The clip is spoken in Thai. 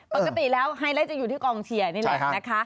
ปกติแล้วไฮไลท์จะอยู่ที่กองเชียร์นี่แหละนะคะ